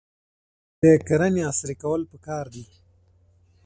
د کرنې عصري کول پکار دي.